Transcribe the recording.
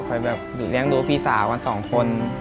คอยแบบเลี้ยงดูพี่สาวกัน๒คน